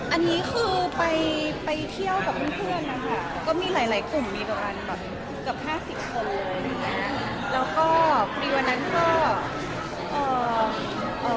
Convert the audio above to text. อันนี้คือไปเที่ยวกับเพื่อนนะครับก็มีหลายกลุ่มมีตัวอันแบบกับ๕๐คนนะครับแล้วก็ปีวันนั้นก็